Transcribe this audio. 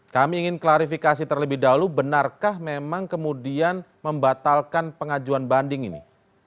kami ingin klarifikasi terlebih dahulu benarkah memang kemudian membatalkan pengajuan banding ini